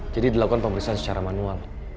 jadi dilakukan pemeriksaan secara manual